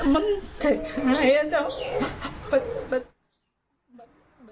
มันเจ็บหายอ่ะเจ้า